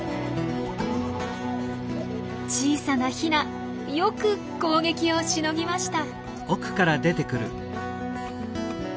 小さなヒナよく攻撃をしのぎました！